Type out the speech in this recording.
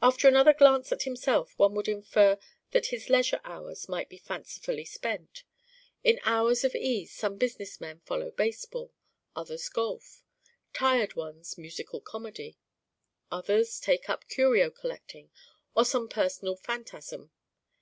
After another glance at himself one would infer that his leisure hours might be fancifully spent. In hours of ease some business men follow baseball, others golf, 'tired' ones musical comedy. Others take up curio collecting or some personal phantasm.